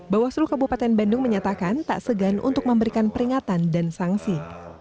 bawaslu kabupaten bandung menyatakan tak segan untuk memberikan peringatan dan sanksi